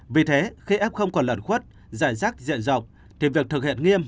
vì thế khi f còn làn khuất giải rác diện rộng thì việc thực hiện nghiêm